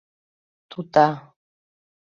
— Тута...